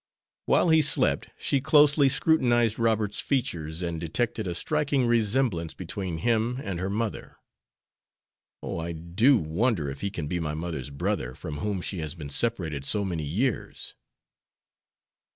While he slept, she closely scrutinized Robert's features, and detected a striking resemblance between him and her mother. "Oh, I do wonder if he can be my mother's brother, from whom she has been separated so many years!"